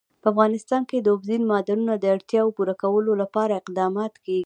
په افغانستان کې د اوبزین معدنونه د اړتیاوو پوره کولو لپاره اقدامات کېږي.